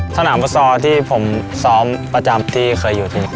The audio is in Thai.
สนามฟุตซอลที่ผมซ้อมประจำที่เคยอยู่ที่นี่